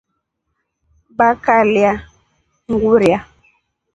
Vakalya ngurya.